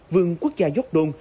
vườn quốc gia gióc đôn